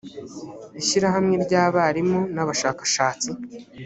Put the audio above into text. ishyirahamwe ry’abarimu n’abashakashatsi